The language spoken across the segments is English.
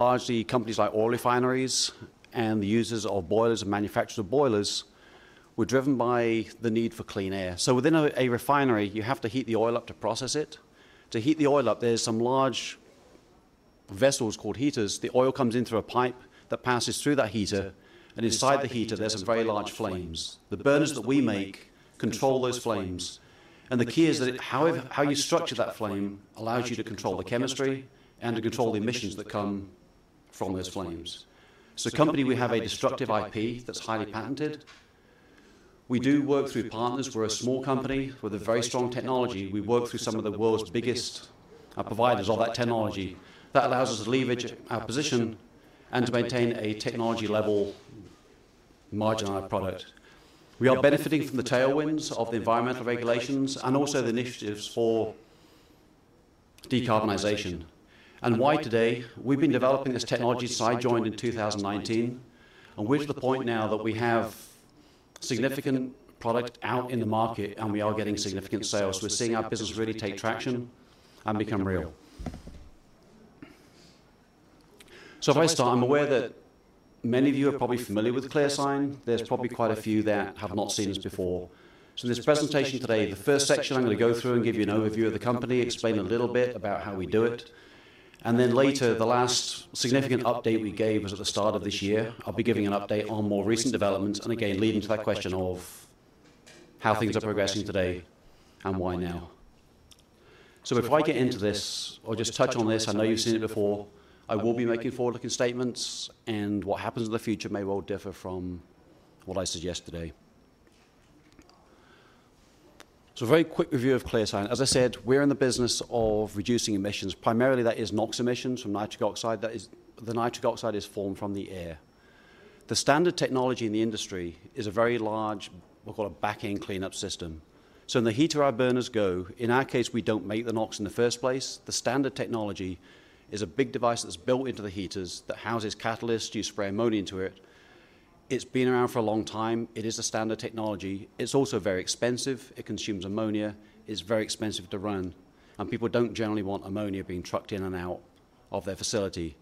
Largely companies like oil refineries and the users of boilers and manufacturers of boilers were driven by the need for clean air. So within a refinery, you have to heat the oil up to process it. To heat the oil up, there are some large vessels called heaters. The oil comes in through a pipe that passes through that heater, and inside the heater, there are some very large flames. The burners that we make control those flames, and the key is that how you structure that flame allows you to control the chemistry and to control the emissions that come from those flames. As a company, we have a distinctive IP that's highly patented. We do work through partners. We're a small company with very strong technology. We work through some of the world's biggest providers of that technology. That allows us to leverage our position and to maintain a technology-level margin on our product. We are benefiting from the tailwinds of the environmental regulations and also the initiatives for decarbonization. And why today? We've been developing this technology since 2019, and we're to the point now that we have significant product out in the market, and we are getting significant sales. We're seeing our business really take traction and become real. So if I start, I'm aware that many of you are probably familiar with ClearSign. There's probably quite a few that have not seen us before. So in this presentation today, the first section I'm going to go through and give you an overview of the company, explain a little bit about how we do it, and then later, the last significant update we gave was at the start of this year. I'll be giving an update on more recent developments and, again, leading to that question of how things are progressing today and why now. So if I get into this or just touch on this, I know you've seen it before. I will be making forward-looking statements, and what happens in the future may well differ from what I suggest today. So a very quick review of ClearSign. As I said, we're in the business of reducing emissions. Primarily, that is NOx emissions from nitric oxide. The nitric oxide is formed from the air. The standard technology in the industry is a very large, we'll call it a back-end cleanup system. So in the heater, our burners go. In our case, we don't make the NOx in the first place. The standard technology is a big device that's built into the heaters that houses catalysts. You spray ammonia into it. It's been around for a long time. It is a standard technology. It's also very expensive. It consumes ammonia. It's very expensive to run, and people don't generally want ammonia being trucked in and out of their facility.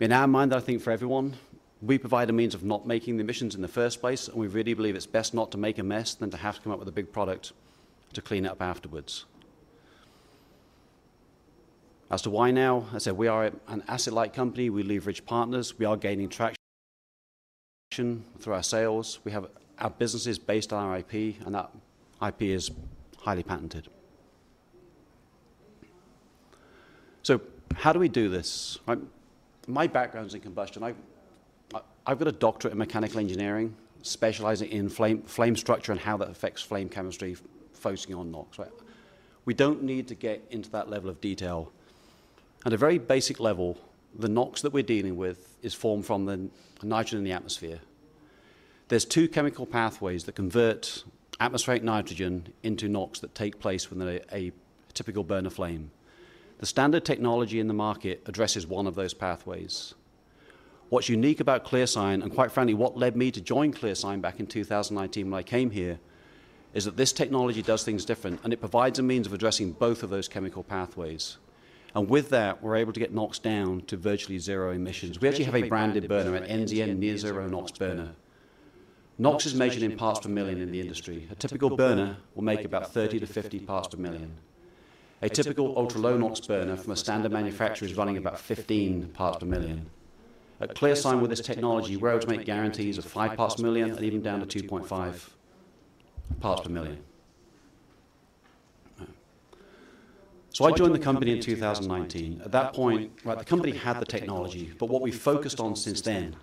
In our mind, I think for everyone, we provide a means of not making the emissions in the first place, and we really believe it's best not to make a mess than to have to come up with a big product to clean it up afterwards. As to why now, I said we are an asset-light company. We leverage partners. We are gaining traction through our sales. We have our businesses based on our IP, and that IP is highly patented. So how do we do this? My background's in combustion. I've got a doctorate in mechanical engineering, specializing in flame structure and how that affects flame chemistry, focusing on NOx. We don't need to get into that level of detail. At a very basic level, the NOx that we're dealing with is formed from the nitrogen in the atmosphere. There's two chemical pathways that convert atmospheric nitrogen into NOx that take place within a typical burner flame. The standard technology in the market addresses one of those pathways. What's unique about ClearSign, and quite frankly, what led me to join ClearSign back in 2019 when I came here, is that this technology does things differently, and it provides a means of addressing both of those chemical pathways. And with that, we're able to get NOx down to virtually zero emissions. We actually have a branded burner, an NZN Near Zero NOx burner. NOx is measured in parts per million in the industry. A typical burner will make about 30-50 parts per million. A typical ultra-low NOx burner from a standard manufacturer is running about 15 parts per million. At ClearSign, with this technology, we're able to make guarantees of five parts per million and even down to 2.5 parts per million. So I joined the company in 2019. At that point, the company had the technology, but what we've focused on since then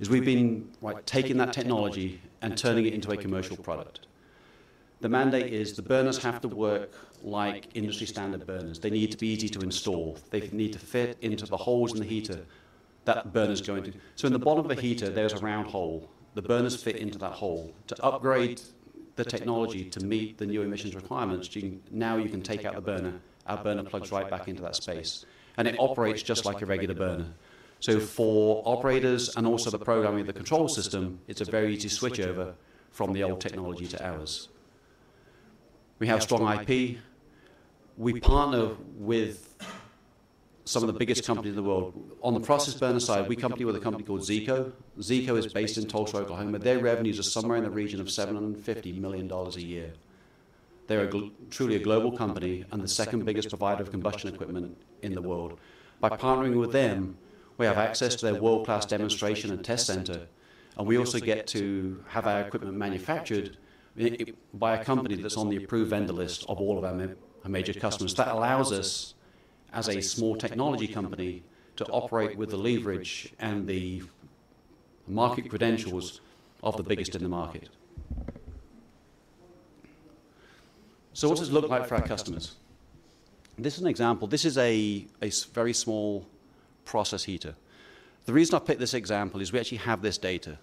is we've been taking that technology and turning it into a commercial product. The mandate is the burners have to work like industry-standard burners. They need to be easy to install. They need to fit into the holes in the heater that the burner's going to. So in the bottom of a heater, there's a round hole. The burners fit into that hole. To upgrade the technology to meet the new emissions requirements, now you can take out the burner. Our burner plugs right back into that space, and it operates just like a regular burner. So for operators and also the programming of the control system, it's a very easy switch over from the old technology to ours. We have strong IP. We partner with some of the biggest companies in the world. On the process burner side, we partner with a company called Zeeco. Zeeco is based in Tulsa, Oklahoma. Their revenues are somewhere in the region of $750 million a year. They're truly a global company and the second biggest provider of combustion equipment in the world. By partnering with them, we have access to their world-class demonstration and test center, and we also get to have our equipment manufactured by a company that's on the approved vendor list of all of our major customers. That allows us, as a small technology company, to operate with the leverage and the market credentials of the biggest in the market. So what does it look like for our customers? This is an example. This is a very small process heater. The reason I picked this example is we actually have this data.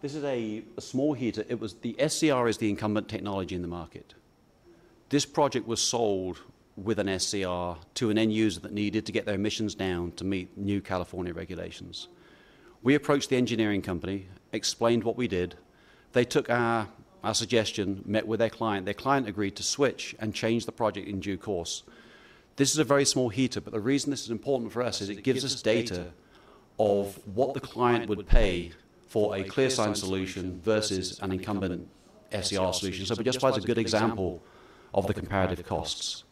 This is a small heater. The SCR is the incumbent technology in the market. This project was sold with an SCR to an end user that needed to get their emissions down to meet new California regulations. We approached the engineering company, explained what we did. They took our suggestion, met with their client. Their client agreed to switch and change the project in due course. This is a very small heater, but the reason this is important for us is it gives us data of what the client would pay for a ClearSign solution versus an incumbent SCR solution. So it just provides a good example of the comparative costs.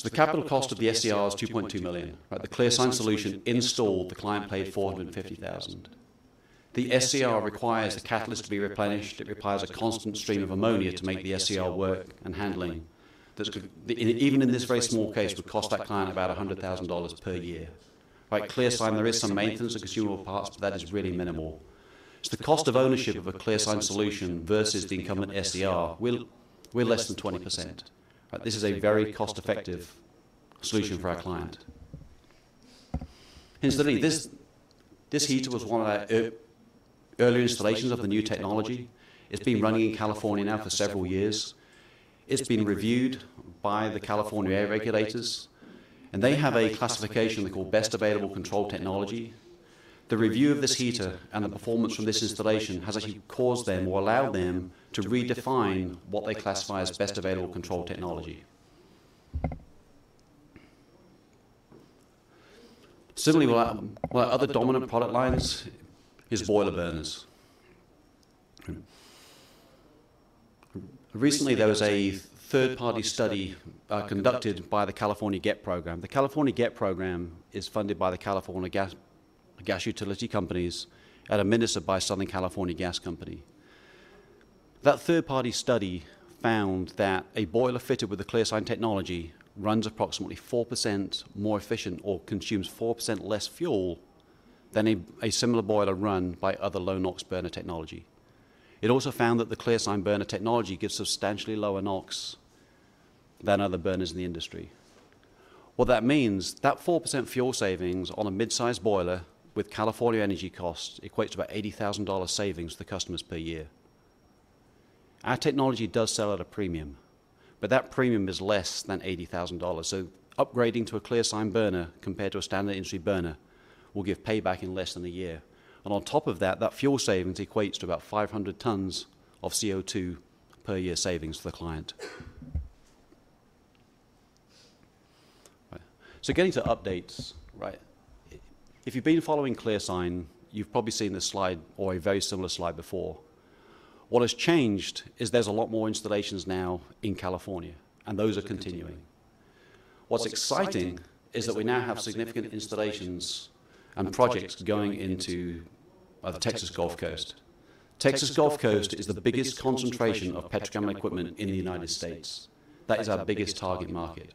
So the capital cost of the SCR is $2.2 million. The ClearSign solution installed, the client paid $450,000. The SCR requires the catalyst to be replenished. It requires a constant stream of ammonia to make the SCR work and handling. Even in this very small case, it would cost that client about $100,000 per year. ClearSign, there is some maintenance and consumable parts, but that is really minimal. So the cost of ownership of a ClearSign solution versus the incumbent SCR, we're less than 20%. This is a very cost-effective solution for our client. Incidentally, this heater was one of our earlier installations of the new technology. It's been running in California now for several years. It's been reviewed by the California air regulators, and they have a classification they call Best Available Control Technology. The review of this heater and the performance from this installation has actually caused them or allowed them to redefine what they classify as Best Available Control Technology. Similarly, one of our other dominant product lines is boiler burners. Recently, there was a third-party study conducted by the California GET Program. The California GET Program is funded by the California gas utility companies and administered by Southern California Gas Company. That third-party study found that a boiler fitted with the ClearSign technology runs approximately 4% more efficient or consumes 4% less fuel than a similar boiler run by other low NOx burner technology. It also found that the ClearSign burner technology gives substantially lower NOx than other burners in the industry. What that means, that 4% fuel savings on a mid-size boiler with California energy costs equates to about $80,000 savings for the customers per year. Our technology does sell at a premium, but that premium is less than $80,000. So upgrading to a ClearSign burner compared to a standard industry burner will give payback in less than a year. And on top of that, that fuel savings equates to about 500 tons of CO2 per year savings for the client. So getting to updates, if you've been following ClearSign, you've probably seen this slide or a very similar slide before. What has changed is there's a lot more installations now in California, and those are continuing. What's exciting is that we now have significant installations and projects going into the Texas Gulf Coast. Texas Gulf Coast is the biggest concentration of petrochemical equipment in the United States. That is our biggest target market.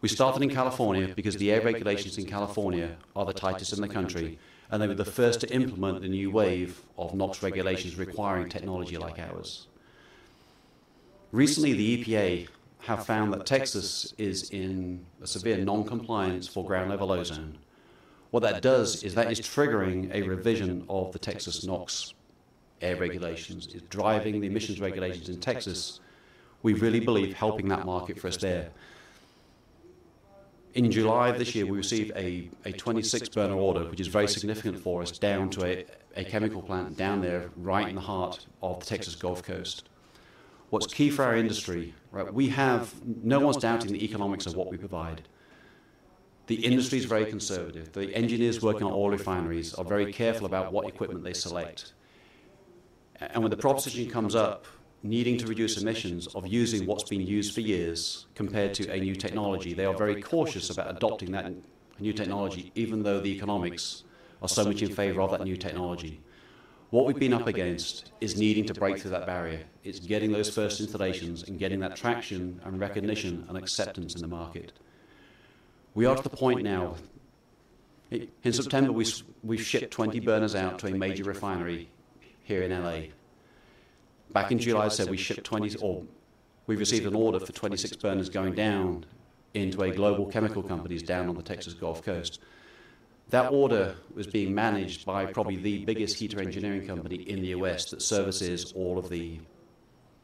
We started in California because the air regulations in California are the tightest in the country, and they were the first to implement the new wave of NOx regulations requiring technology like ours. Recently, the EPA has found that Texas is in a severe non-compliance for ground-level ozone. What that does is that is triggering a revision of the Texas NOx air regulations. It's driving the emissions regulations in Texas. We really believe helping that market first there. In July of this year, we received a 26-burner order, which is very significant for us, down to a chemical plant down there right in the heart of the Texas Gulf Coast. What's key for our industry, we have no one's doubting the economics of what we provide. The industry is very conservative. The engineers working on oil refineries are very careful about what equipment they select, and when the proposition comes up needing to reduce emissions of using what's been used for years compared to a new technology, they are very cautious about adopting that new technology, even though the economics are so much in favor of that new technology. What we've been up against is needing to break through that barrier. It's getting those first installations and getting that traction and recognition and acceptance in the market. We are at the point now. In September, we shipped 20 burners out to a major refinery here in L.A. Back in July, I said we shipped 20 or we received an order for 26 burners going down into a global chemical company down on the Texas Gulf Coast. That order was being managed by probably the biggest heater engineering company in the U.S. that services all of the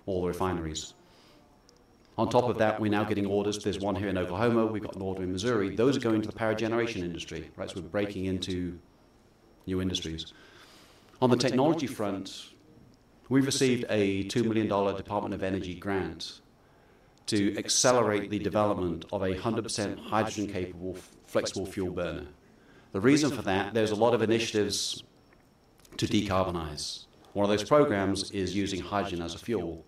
refineries. On top of that, we're now getting orders. There's one here in Oklahoma. We've got an order in Missouri. Those are going to the power generation industry. So we're breaking into new industries. On the technology front, we've received a $2 million Department of Energy grant to accelerate the development of a 100% hydrogen-capable flexible fuel burner. The reason for that, there's a lot of initiatives to decarbonize. One of those programs is using hydrogen as a fuel.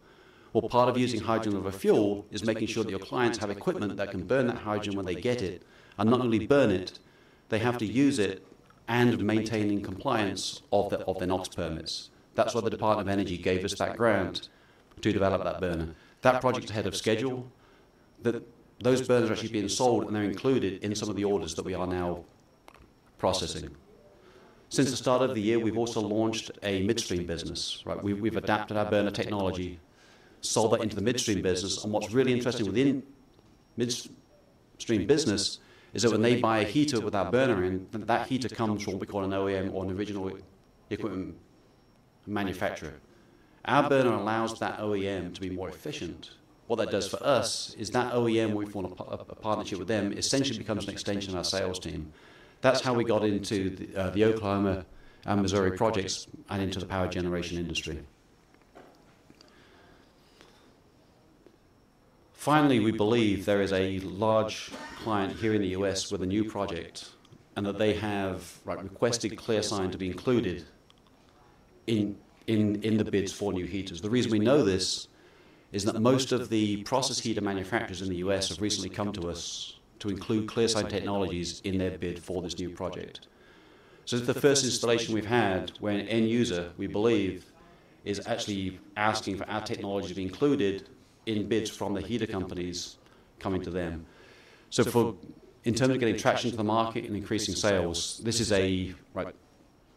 Well, part of using hydrogen as a fuel is making sure that your clients have equipment that can burn that hydrogen when they get it and not only burn it, they have to use it and maintain compliance of their NOx permits. That's why the Department of Energy gave us that grant to develop that burner. That project's ahead of schedule. Those burners are actually being sold, and they're included in some of the orders that we are now processing. Since the start of the year, we've also launched a midstream business. We've adapted our burner technology, sold that into the midstream business. And what's really interesting within midstream business is that when they buy a heater with our burner in, that heater comes from what we call an OEM or an original equipment manufacturer. Our burner allows that OEM to be more efficient. What that does for us is that OEM we formed a partnership with them essentially becomes an extension of our sales team. That's how we got into the Oklahoma and Missouri projects and into the power generation industry. Finally, we believe there is a large client here in the U.S. with a new project and that they have requested ClearSign to be included in the bids for new heaters. The reason we know this is that most of the process heater manufacturers in the U.S. have recently come to us to include ClearSign technologies in their bid for this new project. So it's the first installation we've had where an end user, we believe, is actually asking for our technology to be included in bids from the heater companies coming to them, so in terms of getting traction to the market and increasing sales, this is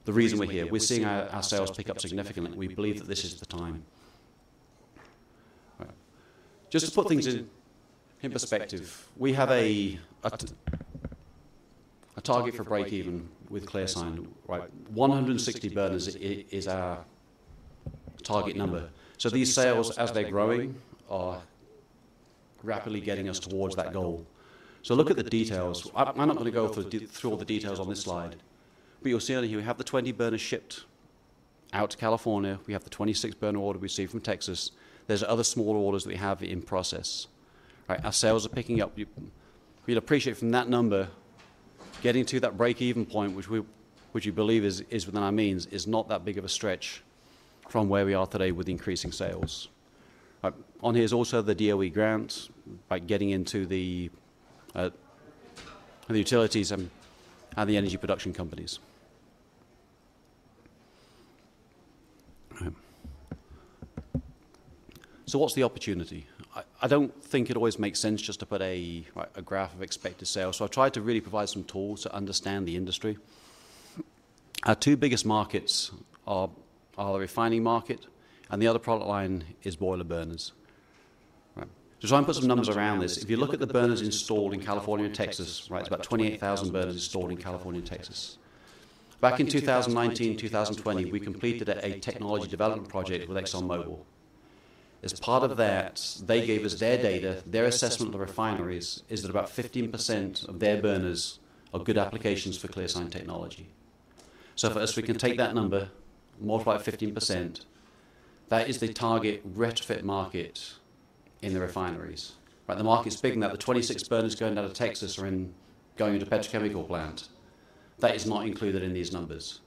the reason we're here. We're seeing our sales pick up significantly. We believe that this is the time. Just to put things in perspective, we have a target for break-even with ClearSign. 160 burners is our target number. So these sales, as they're growing, are rapidly getting us towards that goal. So look at the details. I'm not going to go through all the details on this slide, but you'll see on here we have the 20 burners shipped out to California. We have the 26-burner order we received from Texas. There's other smaller orders that we have in process. Our sales are picking up. You'd appreciate from that number getting to that break-even point, which we believe is within our means, is not that big of a stretch from where we are today with increasing sales. On here is also the DOE grant getting into the utilities and the energy production companies. So what's the opportunity? I don't think it always makes sense just to put a graph of expected sales. So I've tried to really provide some tools to understand the industry. Our two biggest markets are the refining market, and the other product line is boiler burners. So try and put some numbers around this. If you look at the burners installed in California and Texas, it's about 28,000 burners installed in California and Texas. Back in 2019, 2020, we completed a technology development project with ExxonMobil. As part of that, they gave us their data. Their assessment of the refineries is that about 15% of their burners are good applications for ClearSign technology. So for us, we can take that number, multiply it by 15%. That is the target retrofit market in the refineries. The market's big enough. The 26 burners going down to Texas are going into a petrochemical plant. That is not included in these numbers.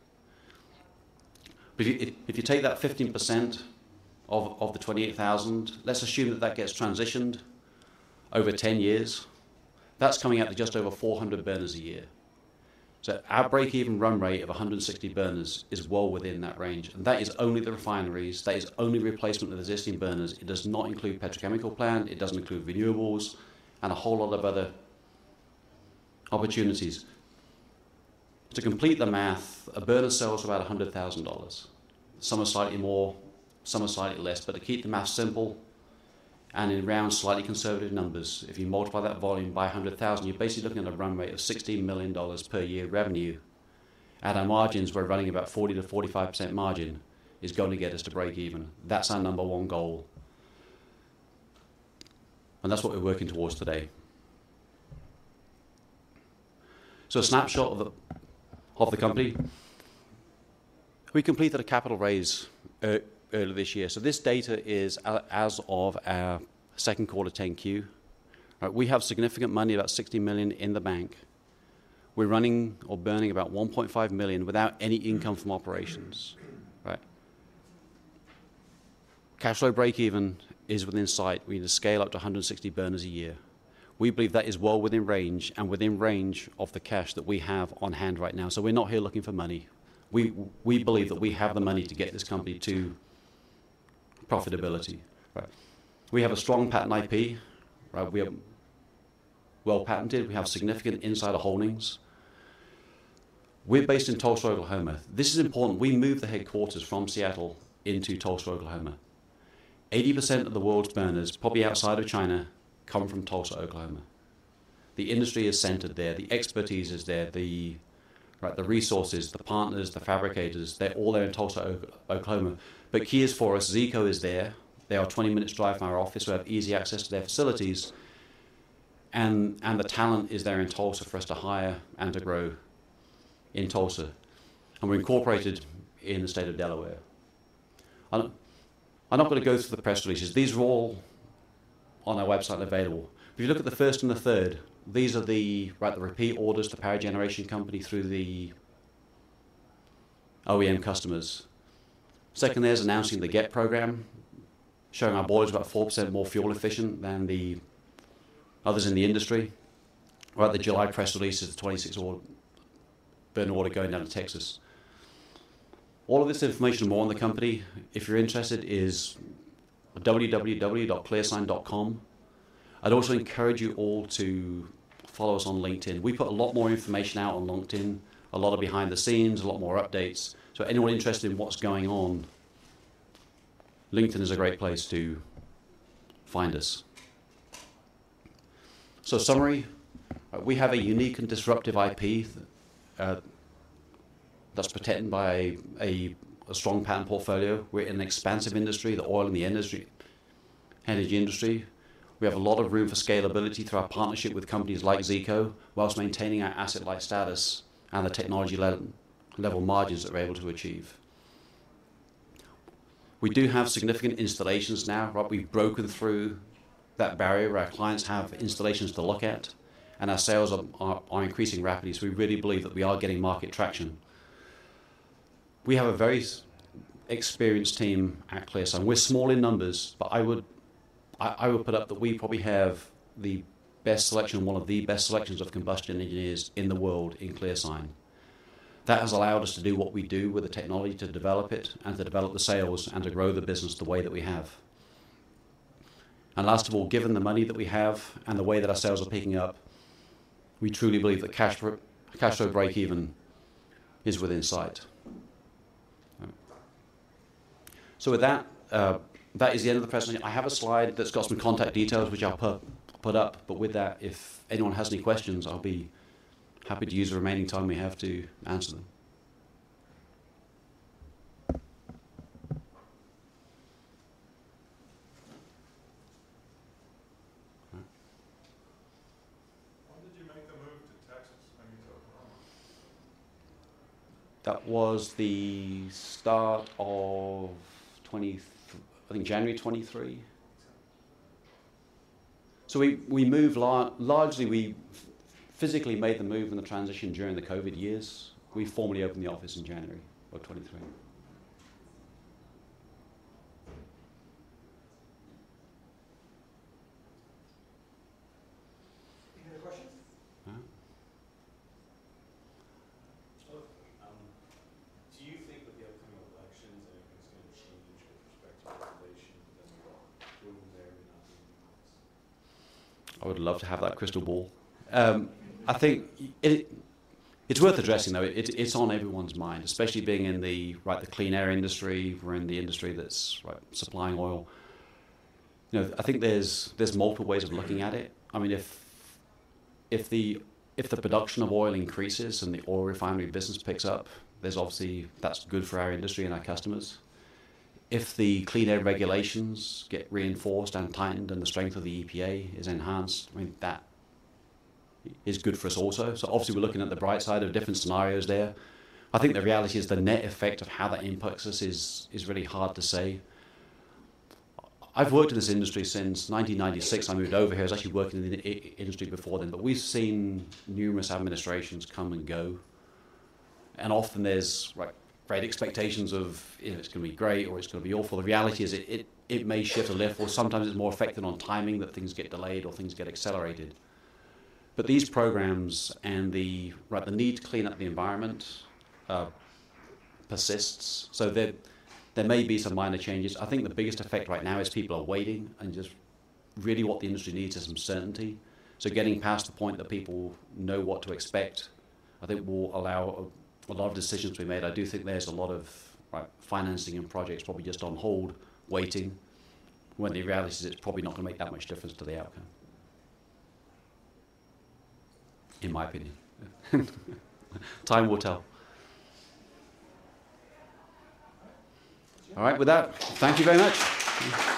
If you take that 15% of the 28,000, let's assume that that gets transitioned over 10 years. That's coming out to just over 400 burners a year. So our break-even run rate of 160 burners is well within that range. And that is only the refineries. That is only replacement of existing burners. It does not include petrochemical plant. It doesn't include renewables and a whole lot of other opportunities. To complete the math, a burner sells for about $100,000. Some are slightly more, some are slightly less. But to keep the math simple and in round, slightly conservative numbers, if you multiply that volume by 100,000, you're basically looking at a run rate of $16 million per year revenue. At our margins, we're running about 40%-45% margin is going to get us to break-even. That's our number one goal, and that's what we're working towards today, so a snapshot of the company. We completed a capital raise earlier this year, so this data is as of our second quarter 10-Q. We have significant money, about $16 million in the bank. We're running or burning about $1.5 million without any income from operations. Cash flow break-even is within sight. We need to scale up to 160 burners a year. We believe that is well within range and within range of the cash that we have on hand right now, so we're not here looking for money. We believe that we have the money to get this company to profitability. We have a strong patent IP. We are well patented. We have significant insider holdings. We're based in Tulsa, Oklahoma. This is important. We moved the headquarters from Seattle into Tulsa, Oklahoma. 80% of the world's burners, probably outside of China, come from Tulsa, Oklahoma. The industry is centered there. The expertise is there. The resources, the partners, the fabricators, they're all there in Tulsa, Oklahoma. But key is for us, Zeeco is there. They are 20 minutes' drive from our office. We have easy access to their facilities. And the talent is there in Tulsa for us to hire and to grow in Tulsa. And we're incorporated in the state of Delaware. I'm not going to go through the press releases. These are all on our website available. If you look at the first and the third, these are the repeat orders to power generation company through the OEM customers. Second, there's announcing the GET program, showing our boilers are about 4% more fuel efficient than the others in the industry. The July press release is the 26-burner order going down to Texas. All of this information and more on the company, if you're interested, is www.clearsign.com. I'd also encourage you all to follow us on LinkedIn. We put a lot more information out on LinkedIn, a lot of behind the scenes, a lot more updates. So anyone interested in what's going on, LinkedIn is a great place to find us. So summary, we have a unique and disruptive IP that's protected by a strong patent portfolio. We're in an expansive industry, the oil and the energy industry. We have a lot of room for scalability through our partnership with companies like Zeeco while maintaining our asset-light status and the technology-level margins that we're able to achieve. We do have significant installations now. We've broken through that barrier where our clients have installations to look at, and our sales are increasing rapidly. So we really believe that we are getting market traction. We have a very experienced team at ClearSign. We're small in numbers, but I would put up that we probably have the best selection, one of the best selections of combustion engineers in the world in ClearSign. That has allowed us to do what we do with the technology to develop it and to develop the sales and to grow the business the way that we have. And last of all, given the money that we have and the way that our sales are picking up, we truly believe that cash flow break-even is within sight. So with that, that is the end of the press release. I have a slide that's got some contact details, which I'll put up. But with that, if anyone has any questions, I'll be happy to use the remaining time we have to answer them. When did you make the move to Texas and into Oklahoma? That was the start of, I think, January 2023. So we moved largely. We physically made the move and the transition during the COVID years. We formally opened the office in January of 2023. Any other questions? Do you think with the upcoming elections, anything's going to change with respect to regulation that we are doing there and not doing in the U.S.? I would love to have that crystal ball. I think it's worth addressing, though. It's on everyone's mind, especially being in the clean air industry. We're in the industry that's supplying oil. I think there's multiple ways of looking at it. I mean, if the production of oil increases and the oil refinery business picks up, that's good for our industry and our customers. If the clean air regulations get reinforced and tightened and the strength of the EPA is enhanced, I mean, that is good for us also, so obviously, we're looking at the bright side of different scenarios there. I think the reality is the net effect of how that impacts us is really hard to say. I've worked in this industry since 1996. I moved over here. I was actually working in the industry before then, but we've seen numerous administrations come and go, and often, there's great expectations of it's going to be great or it's going to be awful. The reality is it may shift a bit, or sometimes it's more affected on timing that things get delayed or things get accelerated. But these programs and the need to clean up the environment persists. So there may be some minor changes. I think the biggest effect right now is people are waiting. And just really, what the industry needs is some certainty. So getting past the point that people know what to expect, I think, will allow a lot of decisions to be made. I do think there's a lot of financing and projects probably just on hold, waiting, when the reality is it's probably not going to make that much difference to the outcome, in my opinion. Time will tell. All right. With that, thank you very much.